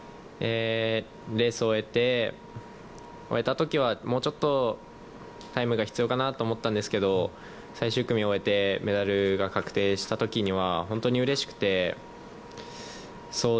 レースを終えた時はもうちょっとタイムが必要かなと思ったんですけど最終組を終えてメダルが確定した時には本当にうれしくて。